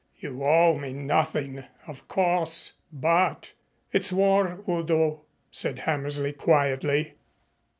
You owe me nothing, of course, but " "It's war, Udo," said Hammersley quietly.